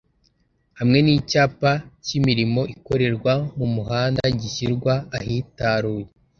hamwe n’icyapa cy’imirimo ikorerwa mu muhanda gishyirwa ahitaruye